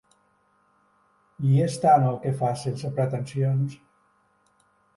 I és tant el que fas, sense pretensions!